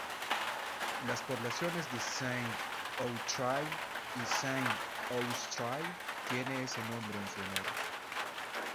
Las poblaciones de Saint-Outrille y Saint-Aoustrille tiene ese nombre en su honor.